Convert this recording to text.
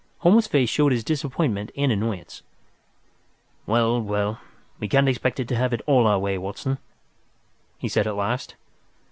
Holmes's face showed his disappointment and annoyance. "Well, well, we can't expect to have it all our own way, Watson," he said, at last.